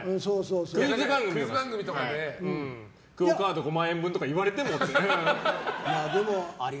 クイズ番組とかでＱＵＯカード５万円とか言われてもって。